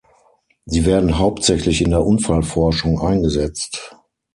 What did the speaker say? Sie werden hauptsächlich in der Unfallforschung eingesetzt.